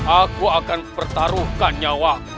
aku akan pertaruhkan nyawa